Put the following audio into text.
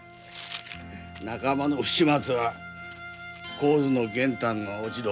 仲間の不始末は高津の玄丹の落ち度。